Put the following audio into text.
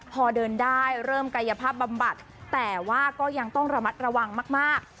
พอเดินได้เริ่มกายภาพบำบัดแต่ว่าก็ยังต้องระมัดระวังมาก